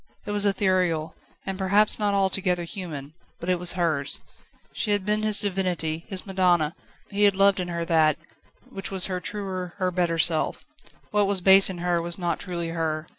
It was ethereal, and perhaps not altogether human, but it was hers. She had been his divinity, his madonna; he had loved in her that, which was her truer, her better self. What was base in her was not truly her.